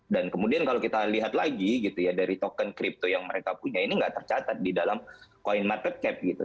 dan kemudian kalau kita lihat lagi gitu ya dari token kripto yang mereka punya ini nggak tercatat di dalam coin market cap gitu